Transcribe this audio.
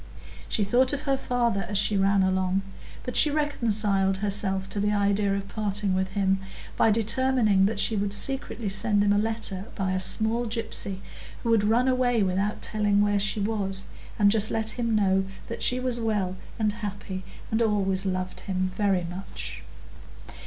She thought of her father as she ran along, but she reconciled herself to the idea of parting with him, by determining that she would secretly send him a letter by a small gypsy, who would run away without telling where she was, and just let him know that she was well and happy, and always loved him very much.